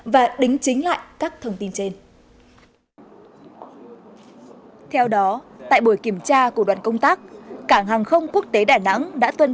và đính chính lại các thông tin trên